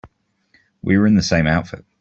We were in the same outfit.